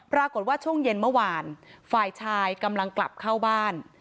ช่วงเย็นเมื่อวานฝ่ายชายกำลังกลับเข้าบ้าน